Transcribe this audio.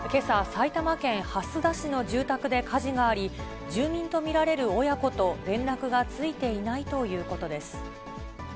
埼玉県蓮田市の住宅で火事があり、住民と見られる親子と連絡がついていないということです。